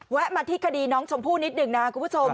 มาที่คดีน้องชมพู่นิดหนึ่งนะคุณผู้ชม